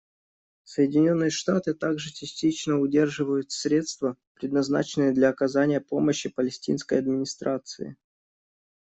Соединенные Штаты также частично удерживают средства, предназначенные для оказания помощи Палестинской администрации.